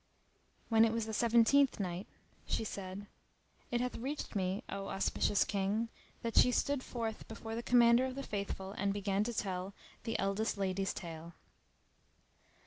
When it was the Seventeenth Night, She said, It hath reached me, O auspicious King, that she stood forth before the Commander of the Faithful and began to tell The Eldest Lady's Tale.